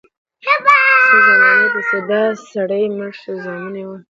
څه زمانه پس دا سړی مړ شو زامنو ئي وويل: